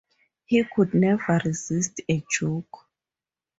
He could never resist a joke.